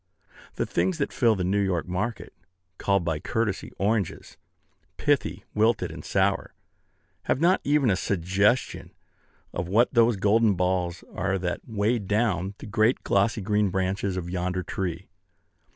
The things that fill the New York market, called by courtesy "oranges," pithy, wilted, and sour, have not even a suggestion of what those golden balls are that weigh down the great glossy green branches of yonder tree.